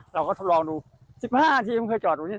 เราก็ลองดู๑๕นาทีเคยจอดตรงนี้เลย